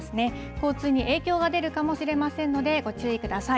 交通に影響が出るかもしれませんので、ご注意ください。